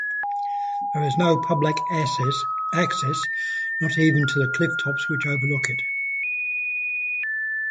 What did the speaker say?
There is no public access, not even to the cliff tops which overlook it.